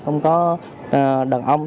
không có đàn ông